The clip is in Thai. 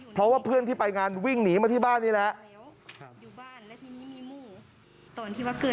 เพราะว่าเพื่อนที่ไปงานวิ่งหนีมาที่บ้านนี่แหละ